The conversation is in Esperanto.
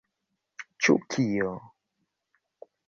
Ĉu kio?